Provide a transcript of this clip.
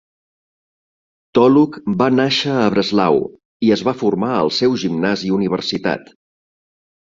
Tholuck va nàixer a Breslau i es va formar al seu gimnàs i universitat.